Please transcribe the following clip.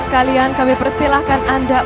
sekalian kami persilahkan anda